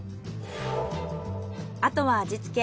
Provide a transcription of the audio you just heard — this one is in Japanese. あとは味付け